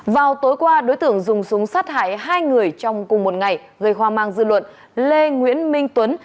vào tối qua đối tượng dùng súng sát hại hai người trong cùng một ngày gây hoa mang dư luận lê nguyễn minh tuấn